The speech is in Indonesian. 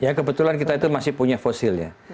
ya kebetulan kita itu masih punya fosilnya